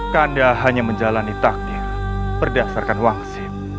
kanda hanya menjalani takdir berdasarkan wangsit